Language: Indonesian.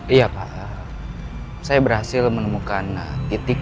iya pak saya berhasil menemukan titik